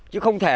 chứ không thể